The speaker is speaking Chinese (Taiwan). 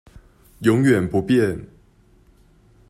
永遠不變